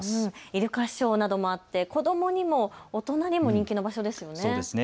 イルカショーなどもあって子どもにも大人にも人気の場所ですよね。